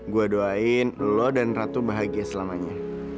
gua doain lu dan ratu bahagia selamanya